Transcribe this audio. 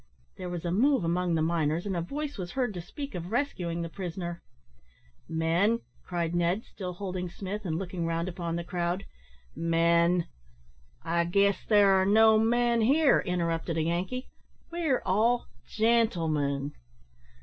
There was a move among the miners, and a voice was heard to speak of rescuing the prisoner. "Men," cried Ned, still holding Smith, and looking round upon the crowd, "men " "I guess there are no men here," interrupted a Yankee; "we're all gentlemen."